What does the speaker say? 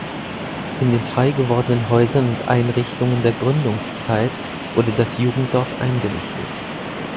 In den freigewordenen Häusern und Einrichtungen der Gründungszeit wurde das Jugenddorf eingerichtet.